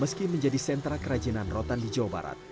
meski menjadi sentra kerajinan rotan di jawa barat